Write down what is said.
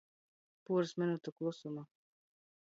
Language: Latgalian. Puors minotu klusuma.